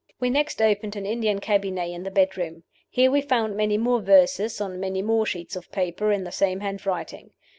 "We next opened an Indian cabinet in the bedroom. Here we found many more verses on many more sheets of paper in the same hand writing.